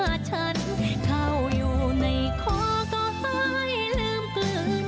เมตตาจงเกิดแค่ฉันเข้าอยู่ในข้อก็หายลืมเกลือ